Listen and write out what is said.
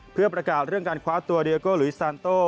เพื่อประกาศเรื่องการคว้าตัวเดียโกหลุยซานโต้